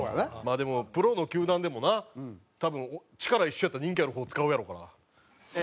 でもプロの球団でもな多分力一緒やったら人気ある方を使うやろうから。